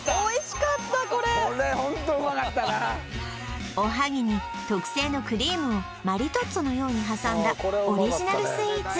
これホントうまかったなおはぎに特製のクリームをマリトッツォのように挟んだオリジナルスイーツ